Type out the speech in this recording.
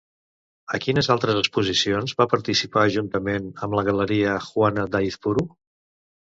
A quines altres exposicions va participar juntament amb la galeria Juana d'Aizpuru?